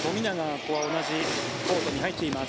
ここは同じコートに入っています